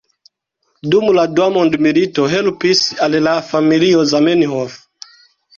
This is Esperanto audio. Dum la dua mondmilito helpis al la familio Zamenhof.